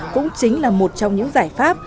cũng chính là một trong những giải pháp